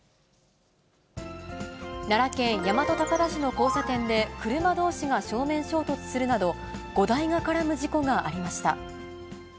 奈良県大和高田市の交差点で、車どうしが正面衝突するなど、５台が絡む事故がありました。